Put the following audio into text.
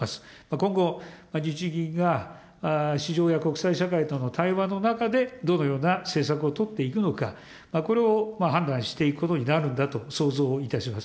今後、日銀が市場や国際社会との対話の中でどのような施策を取っていくのか、これを判断していくことになるんだと想像いたします。